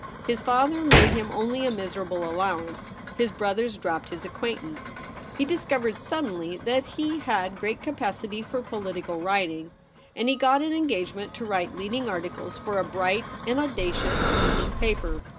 His father made him only a miserable allowance ; his brothers dropped his acquaintance. He dis covered suddenly that he had great capacity for political writing, and he got an engage ment to write leading articles for a bright and audacious evening paper.